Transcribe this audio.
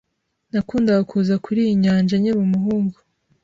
Nakundaga kuza kuri iyi nyanja nkiri umuhungu.